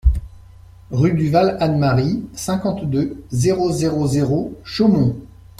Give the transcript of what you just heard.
Rue du Val Anne-Marie, cinquante-deux, zéro zéro zéro Chaumont